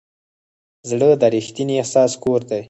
زړه د ریښتیني احساس کور دی.